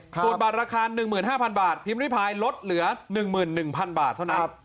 ส่วนบาทราคา๑๕๐๐บาทพิมพ์ริพายลดเหลือ๑๑๐๐๐บาทเท่านั้น